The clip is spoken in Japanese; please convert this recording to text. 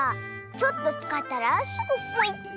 ちょっとつかったらすぐポイっと！